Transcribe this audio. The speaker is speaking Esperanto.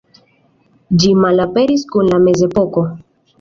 Ĝi malaperis kun la mezepoko.